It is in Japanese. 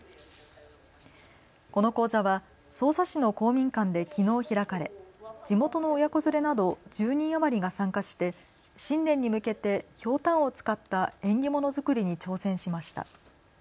この講座は匝瑳市の公民館できのう開かれ地元の親子連れなど１０人余りが参加して新年に向けてひょうたんを使った縁起物作りに挑戦しました。